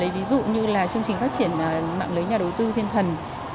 ví dụ như chương trình phát triển mạng lấy nhà đầu tư thiên thần